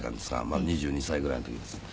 まだ２２歳ぐらいの時です。